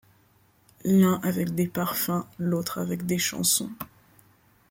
L'un avec des parfums, l'autre avec des chansons